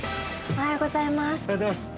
おはようございます。